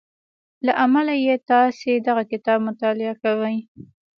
له امله يې تاسې دغه کتاب مطالعه کوئ.